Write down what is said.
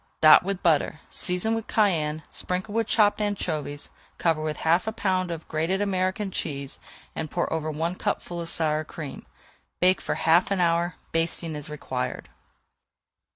Dot with butter, season with cayenne, sprinkle with chopped anchovies, cover with half a pound of grated American cheese, and pour over one cupful of sour cream. Bake for half an hour, basting as required.